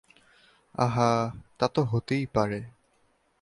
আহা, তা তো হতেই পারে।